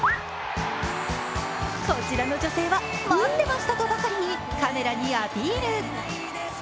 こちらの女性は待ってましたとばかりにカメラにアピール。